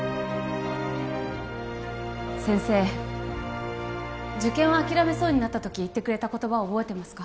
先生受験を諦めそうになった時言ってくれた言葉を覚えてますか？